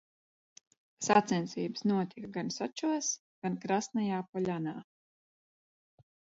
Sacensības notika gan Sočos, gan Krasnajā Poļanā.